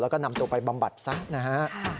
แล้วก็นำตัวไปบำบัดซะนะฮะ